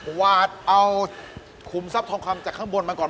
วาดเอาขุมทรัพย์ทองคำจากข้างบนมาก่อน